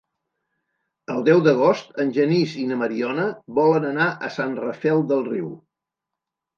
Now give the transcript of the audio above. El deu d'agost en Genís i na Mariona volen anar a Sant Rafel del Riu.